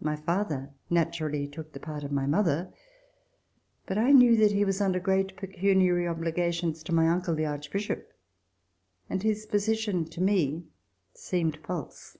My father naturally took the part of my mother. But I knew that he was under great pecuniary obli gations to my uncle, the Archbishop, and his position, to me, seemed false.